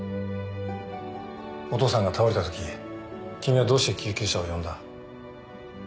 お父さんが倒れたとき君はどうして救急車を呼んだ？